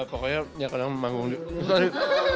ya pokoknya ya kadang manggung di